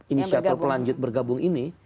inisiator pelanjut bergabung ini